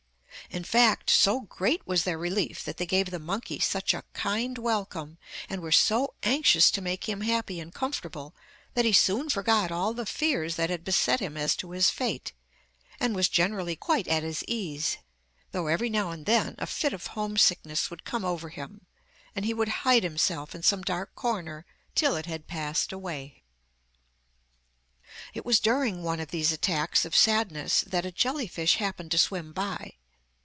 In fact, so great was their relief that they gave the monkey such a kind welcome, and were so anxious to make him happy and comfortable, that he soon forgot all the fears that had beset him as to his fate, and was generally quite at his ease, though every now and then a fit of home sickness would come over him, and he would hide himself in some dark corner till it had passed away. It was during one of these attacks of sadness that a jelly fish happened to swim by.